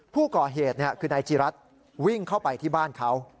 ผู้ก่อเหตุคือนายจีรัฐวิ่งเข้าไปที่บ้านเขา